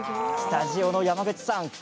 スタジオの山口さん